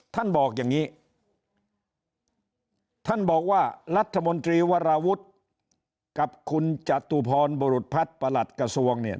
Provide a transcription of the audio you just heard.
ท่านบอกอย่างนี้ท่านบอกว่ารัฐมนตรีวราวุฒิกับคุณจตุพรบรุษพัฒน์ประหลัดกระทรวงเนี่ย